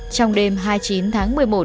trong đêm hai mươi chín tháng một mươi một